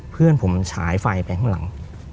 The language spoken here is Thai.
เพื่อนผมฉายไฟไปข้างหลัง